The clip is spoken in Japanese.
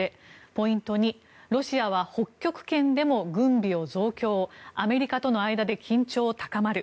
ポイント２ロシアは北極圏でも軍備を増強アメリカとの間で緊張高まる。